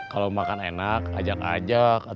kalau makan enak ajak ajak